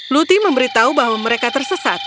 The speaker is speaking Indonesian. luti memberitahu bahwa mereka tersesat